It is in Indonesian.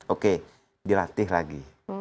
oke dilatih lagi